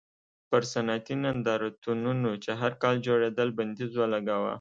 پر صنعتي نندارتونونو چې هر کال جوړېدل بندیز ولګاوه.